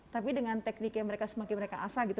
tapi dengan teknik yang mereka semakin mereka asah gitu